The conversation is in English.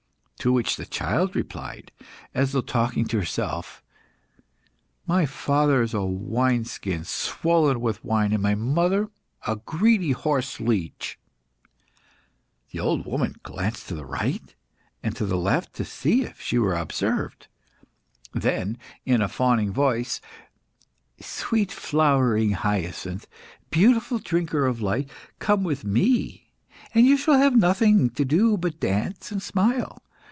To which the child replied, as though talking to herself "My father is a wine skin swollen with wine, and my mother a greedy horse leech." The old woman glanced to right and left, to see if she were observed. Then, in a fawning voice "Sweet flowering hyacinth, beautiful drinker of light, come with me, and you shall have nothing to do but dance and smile.